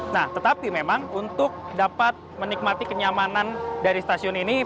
nah tetapi memang untuk dapat menikmati kenyamanan dari stasiun ini